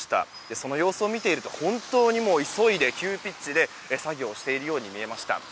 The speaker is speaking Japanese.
その様子を見ていると本当に急いで急ピッチで作業をしているように見えました。